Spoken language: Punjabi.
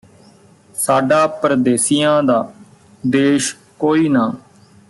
ਸਾਡਾ ਪਰਦੇਸੀਆਂ ਦਾ ਦੇਸ਼ ਕੋਈ ਨਾ